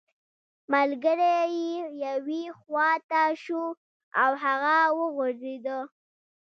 ملګری یې یوې خوا ته شو او هغه وغورځیده